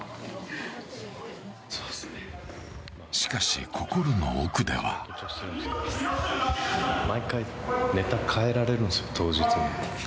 しかし、心の奥では毎回、ネタ変えられるんですよ、当日に。